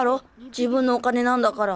自分のお金なんだから。